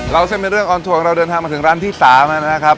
เส้นเป็นเรื่องออนทัวร์เราเดินทางมาถึงร้านที่๓นะครับ